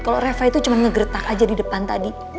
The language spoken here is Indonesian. kalau reva itu cuma ngegertak aja di depan tadi